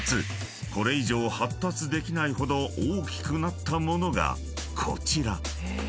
［これ以上発達できないほど大きくなったものがこちら］